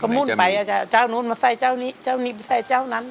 มุ่นไปอาจจะเจ้านู้นมาใส่เจ้านี้เจ้านี้ไปใส่เจ้านั้น